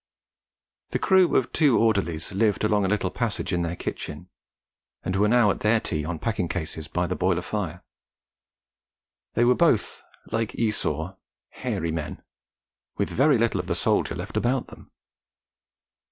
The crew of two orderlies lived along a little passage in their kitchen, and were now at their tea on packing cases by the boiler fire. They were both like Esau hairy men, with very little of the soldier left about them.